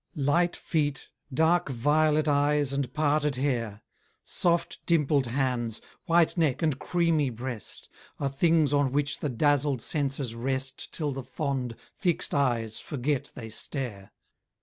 Light feet, dark violet eyes, and parted hair; Soft dimpled hands, white neck, and creamy breast, Are things on which the dazzled senses rest Till the fond, fixed eyes, forget they stare.